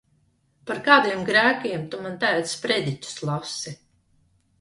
Par kādiem grēkiem tu man tagad sprediķus lasi?